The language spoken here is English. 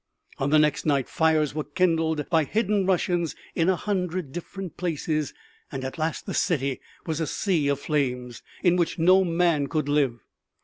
On the next night fires were kindled by hidden Russians in a hundred different places, and at last the city was a sea of flames in which no man could live.